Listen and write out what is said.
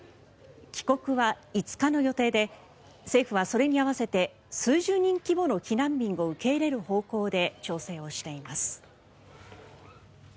帰国は５日の予定で政府はそれに合わせて数十人規模の避難民を受け入れる方向で調整しています。